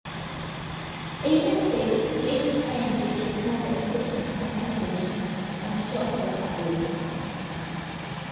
These include reduced pain due to smaller incisions and hemorrhaging, and shorter recovery time.